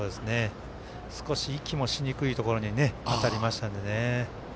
少し息もしにくいところに当たりましたのでね。